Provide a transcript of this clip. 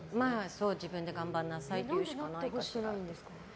そう、自分で頑張りなさいって言うしかないから。